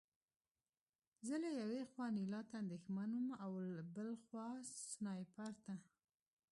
زه له یوې خوا انیلا ته اندېښمن وم او بل خوا سنایپر ته